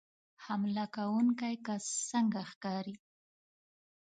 حمله کوونکی کس څنګه ښکاري